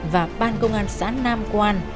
và ban công an xã nam quan